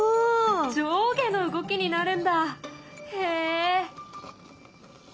上下の動きになるんだへえ。